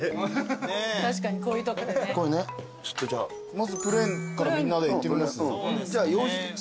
まずプレーンからみんなでいってみます？